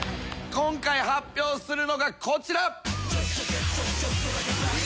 今回発表するのがこちら。